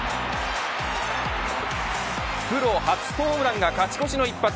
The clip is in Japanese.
プロ初ホームランが勝ち越しの一発。